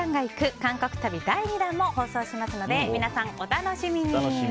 韓国旅第２弾も放送しますので皆さん、お楽しみに。